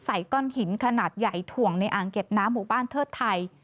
ก้อนหินขนาดใหญ่ถ่วงในอ่างเก็บน้ำหมู่บ้านเทิดไทย